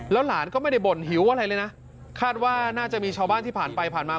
หลานก็ไม่ได้บ่นหิวอะไรเลยนะคาดว่าน่าจะมีชาวบ้านที่ผ่านไปผ่านมา